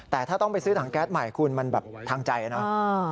แต่ถ้าต้องไปซื้อถังแก๊สใหม่คุณมันแบบทางใจนะ